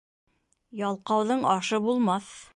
Ялҡауҙың ашы булмаҫ.